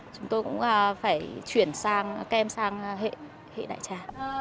chúng tôi cũng phải chuyển các em sang hệ đại trà